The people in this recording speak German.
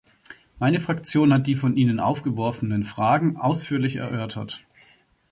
Meine Fraktion hat die von Ihnen aufgeworfenen Fragen ausführlich erörtert.